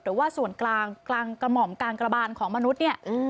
หรือว่าส่วนกลางกลางกระหม่อมกลางกระบานของมนุษย์เนี่ย